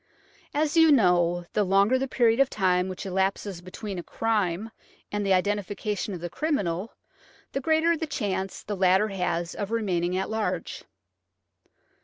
As you know, the longer the period of time which elapses between a crime and the identification of thc criminal, the greater chance the latter has of remaining at large.